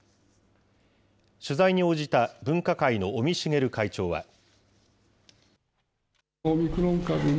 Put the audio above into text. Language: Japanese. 取材に応じた、分科会の尾身茂会長は。